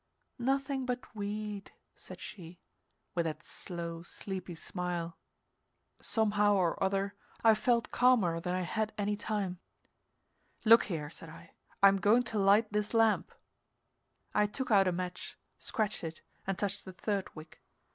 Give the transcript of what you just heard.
"Nothing but weed," said she, with that slow, sleepy smile. Somehow or other I felt calmer than I had any time. "Look here," said I. "I'm going to light this lamp." I took out a match, scratched it, and touched the third wick.